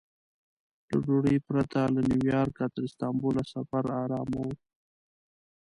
له ډوډۍ پرته له نیویارکه تر استانبوله سفر ارامه و.